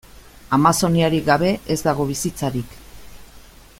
Amazoniarik gabe ez dago bizitzarik.